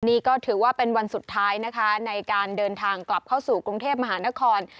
นี่ก็ถือว่าเป็นวันสุดท้ายนะคะในการเดินทางกลับเข้าสู่กรุงเทพมหานคร